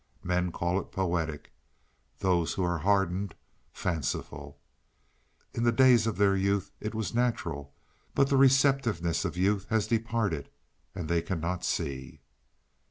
Men call it poetic, those who are hardened fanciful. In the days of their youth it was natural, but the receptiveness of youth has departed, and they cannot see.